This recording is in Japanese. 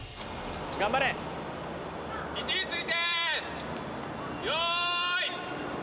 位置について用意。